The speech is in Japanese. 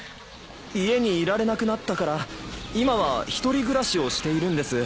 家にいられなくなったから今は１人暮らしをしているんです。